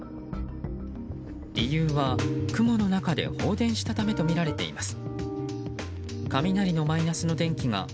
理由は雲の中で放電したためとみられています。